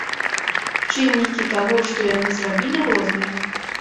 Чыннікі таго, што яны зрабілі, розныя.